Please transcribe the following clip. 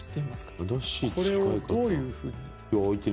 これをどういうふうに。